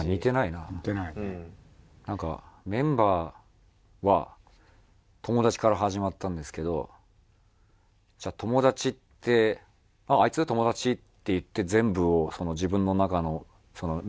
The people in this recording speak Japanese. なんかメンバーは友達から始まったんですけどじゃあ友達って「あいつ？友達」って言って全部を。